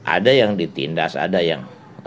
ada yang ditindas ada yang